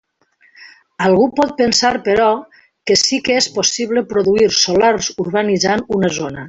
Algú pot pensar però que sí que és possible produir solars urbanitzant una zona.